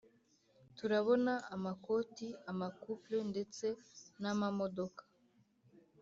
turabona amakoti ama couples ndetse n’amamodoka